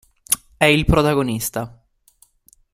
È il protagonista.